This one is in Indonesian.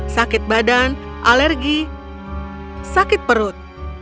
sakit badan alergi sakit perut